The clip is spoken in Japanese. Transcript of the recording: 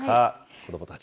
子どもたち。